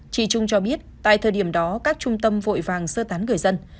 chị trung cho biết tại thời điểm đó các trung tâm vội vàng sơ tán người dân